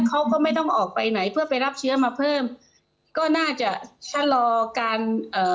เขาก็ไม่ต้องออกไปไหนเพื่อไปรับเชื้อมาเพิ่มก็น่าจะชะลอการเอ่อ